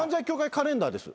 カレンダーです。